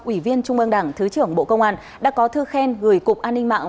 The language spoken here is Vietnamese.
ủy viên trung ương đảng thứ trưởng bộ công an đã có thư khen gửi cục an ninh mạng